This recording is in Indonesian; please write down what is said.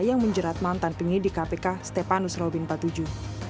yang menjerat mantan penyidik kpk stepanus robin patuju